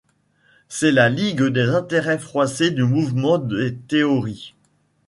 C’est la ligue des intérêts froissés du mouvement des théories.